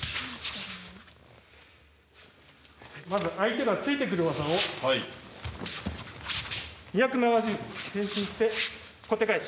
まず相手が突いてくる技を２７０度転身して小手返し。